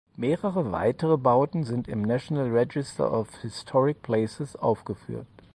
Mehrere weitere Bauten sind im National Register of Historic Places aufgeführt.